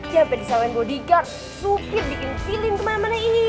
dia sampe disamain bodyguard cukit bikin feeling kemana mana ini